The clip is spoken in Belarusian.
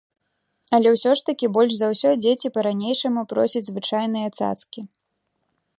Але ўсё ж такі больш за ўсё дзеці па-ранейшаму просяць звычайныя цацкі!